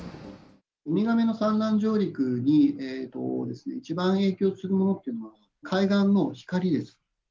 ウミガメの産卵上陸に一番影響するものっていうのは、海岸の光です。